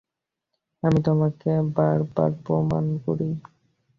আমি তোমাকে বারবার প্রণাম করি।